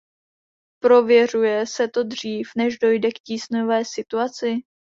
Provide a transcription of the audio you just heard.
Prověřuje se to dřív, než dojde k tísňové situaci?